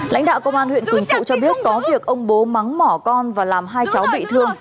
lãnh đạo công an huyện quỳnh phụ cho biết có việc ông bố mắng mỏ con và làm hai cháu bị thương